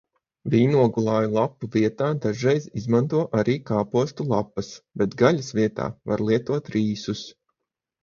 Vīnogulāju lapu vietā dažreiz izmanto arī kāpostu lapas, bet gaļas vietā var lietot rīsus.